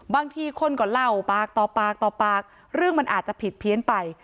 บางทีคนก็เล่าปากต่อปากต่อปากเรื่องมันอาจจะผิดเพี้ยนไป